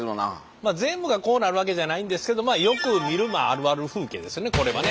まあ全部がこうなるわけじゃないんですけどまあよく見るあるある風景ですねこれはね。